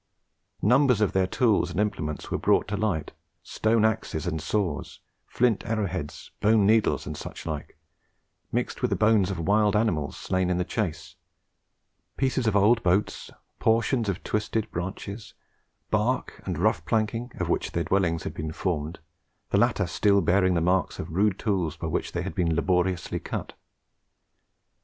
Numbers of their tools and implements were brought to light stone axes and saws, flint arrowheads, bone needles, and such like mixed with the bones of wild animals slain in the chase; pieces of old boats, portions of twisted branches, bark, and rough planking, of which their dwellings had been formed, the latter still bearing the marks of the rude tools by which they had been laboriously cut.